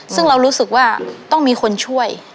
ซึ่งเรารู้สึกว่าต้องมีคนช่วย